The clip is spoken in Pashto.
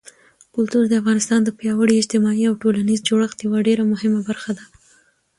کلتور د افغانستان د پیاوړي اجتماعي او ټولنیز جوړښت یوه ډېره مهمه برخه ده.